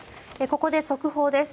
ここで速報です。